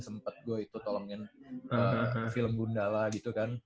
sempet gue itu tolongin film gundala gitu kan